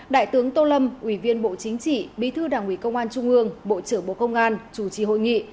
đại tướng tô lâm ủy viên bộ chính trị bí thư đảng ủy công an trung ương bộ trưởng bộ công an chủ trì hội nghị